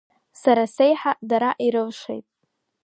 Сара сеиҳа дара ирылшеит.